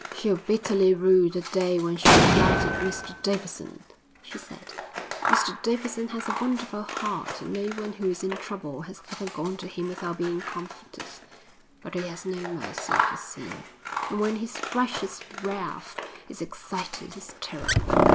"She'll bitterly rue the day when she flouted Mr Davidson," she said. "Mr Davidson has a wonderful heart and no one who is in trouble has ever gone to him without being comforted, but he has no mercy for sin, and when his righteous wrath is excited he's terrible."